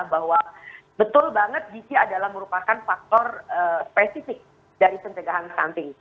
bahwa betul banget gc adalah merupakan faktor spesifik dari pencegahan stunting